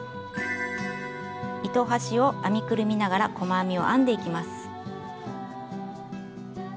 糸端を編みくるみながら細編みを編んでいきます。